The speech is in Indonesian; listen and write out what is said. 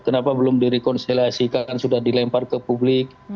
kenapa belum direkonsiliasikan sudah dilempar ke publik